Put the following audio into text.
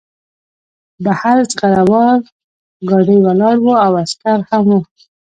بهر زغره وال ګاډی ولاړ و او عسکر هم وو